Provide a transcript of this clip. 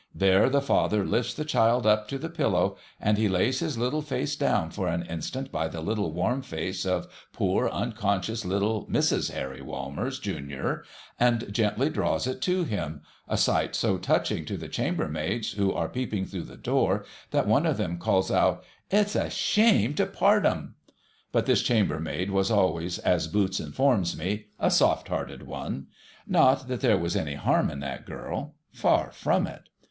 There the father lifts the child up to the pillow, and he lays his little face down for an instant by the little warm face of poor unconscious little Mrs. Harry A\''almers, Junior, and gently draws it to him, — a sight so touching to the chambermaids who are peeping through the door, that one of them calls out, ' It's a shame to part 'em !' But this chambermaid was always, as Boots informs me, a soft hearted one. Not that there was any harm in that girl. Far from it.